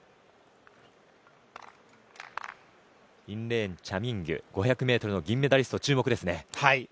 インレーン、チャ・ミンギュ５００ｍの銀メダリスト注目ですね。